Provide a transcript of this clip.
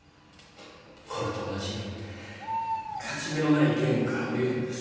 これと同じ勝ち目のないゲームから降りるんです。